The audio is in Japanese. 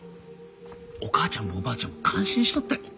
お母ちゃんもおばあちゃんも感心しとったよ。